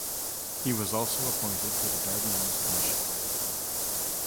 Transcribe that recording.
He was also appointed to the Dardanelles Commission.